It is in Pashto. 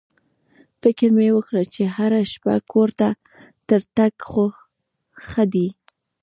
فکر مې وکړ چې هره شپه کور ته تر تګ خو ښه دی.